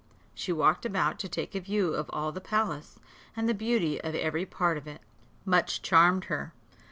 She walked about to take a view of all the palace, and the beauty of every part of it much charmed her.